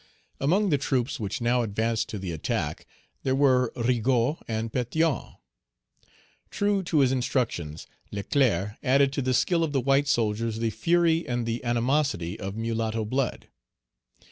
Among the troops which now advanced to the attack, there were Rigaud and Pétion. True to his instructions, Leclerc added to the skill of the white soldiers the fury and the animosity of mulatto blood.